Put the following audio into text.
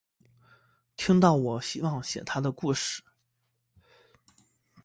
听到我希望写她的故事